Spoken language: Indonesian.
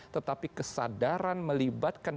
tetapi kesadaran melibatkan